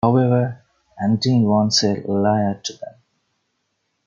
However, Andine won't sell Eliar to them.